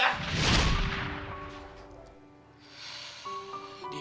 tapionian only untuk ke tiga